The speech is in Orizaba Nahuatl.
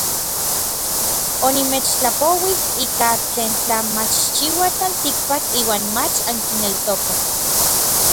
Onimechtlapouij ika tlen tla machchiua tlaltikpak iuan mach ankineltokaj.